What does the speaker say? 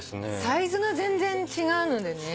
サイズが全然違うのでね。